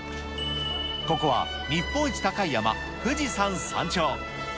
ここは、日本一高い山、富士山山頂。